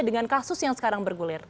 dengan kasus yang sekarang bergulir